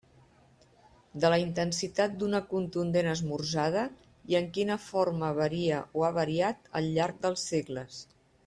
De la intensitat d'una contundent esmorzada i en quina forma varia o ha variat al llarg dels segles.